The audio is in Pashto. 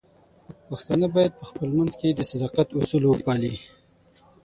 پښتانه بايد په خپل منځ کې د صداقت اصول وپالي.